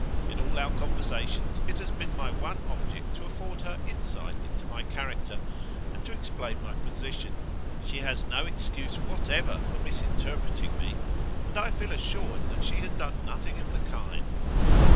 In all our conversations it has been my one object to afford her insight into my character, and to explain my position. She has no excuse whatever for misinterpreting me. And I feel assured that she has done nothing of the kind.